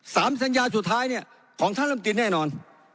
สัญญาสุดท้ายเนี่ยของท่านลำตีแน่นอน